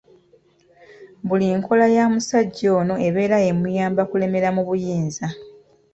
Mbuli nkola ya musajja ono ebeera emuyamba kulemera mu buyinza.